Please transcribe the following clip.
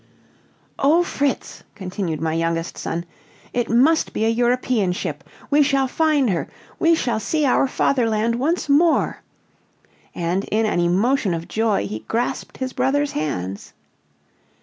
"O Fritz," continued my youngest son, "it must be a European ship. We shall find her. We shall see our Fatherland once more," and in an emotion of joy he grasped his brother's hands.